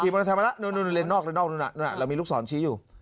กี่บริษัทมาแล้วนั่นเล็นนอกนั่นนั่นเรามีลูกศรชี้อยู่